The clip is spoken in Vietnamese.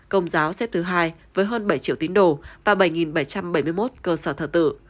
công giáo xếp thứ hai với hơn bảy triệu tín đồ và bảy bảy trăm bảy mươi một cơ sở thờ tự